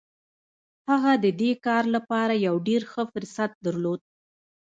هغه د دې کار لپاره يو ډېر ښه فرصت درلود.